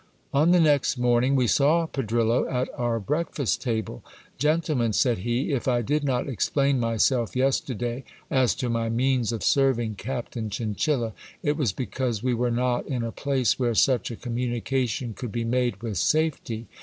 On the next morning we saw Pedrillo at our breakfast table. Gentlemen, said he, if I did not explain myself yesterday as to my means of serving Captain Chinchilla, it was because we were not in a place where such a communication could be made with safety.